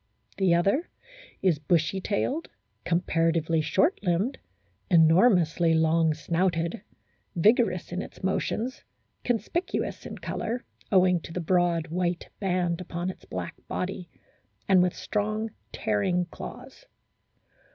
The other is bushy tailed, comparatively short limbed, enormously long snouted, vigorous in its motions, conspicuous in colour, owing to the broad white band upon its black body, and with strong, tearing claws.